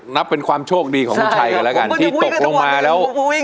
นับเป็นความโชคดีของลุงชัยกันแล้วกันที่ตกลงมาแล้ว